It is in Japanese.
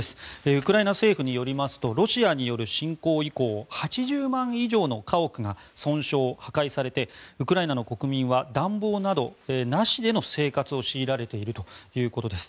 ウクライナ政府によりますとロシアによる侵攻以降８０万以上の家屋が損傷・破壊されてウクライナの国民は暖房などなしでの生活を強いられているということです。